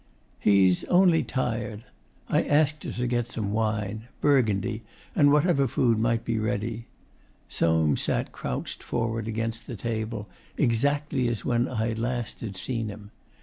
'He's only tired.' I asked her to get some wine Burgundy and whatever food might be ready. Soames sat crouched forward against the table, exactly as when last I had seen him.